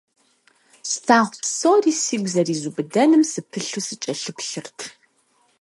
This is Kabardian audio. Слъагъу псори сигу зэризубыдэным сыпылъу сыкӀэлъыплъырт.